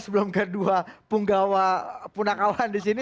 sebelum kedua punggawa punakawan di sini